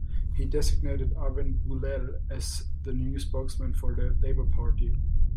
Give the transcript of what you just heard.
He designated Arvin Boolell as the new spokesman for the Labour Party.